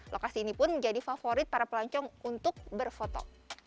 lokasi ini pun menjadi favorit para pelancong untuk berfoto